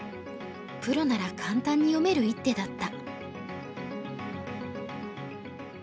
プロなら簡単に読める一手だった。